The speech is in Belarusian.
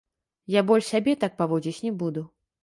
Я больш сябе так паводзіць не буду.